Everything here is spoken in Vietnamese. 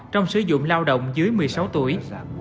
trong sử dụng lao động dưới một mươi sáu tuổi